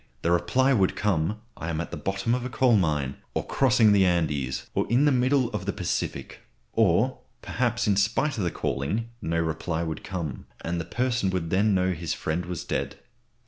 "The reply would come 'I am at the bottom of a coal mine,' or 'Crossing the Andes,' or 'In the middle of the Pacific.' Or, perhaps, in spite of all the calling, no reply would come, and the person would then know his friend was dead.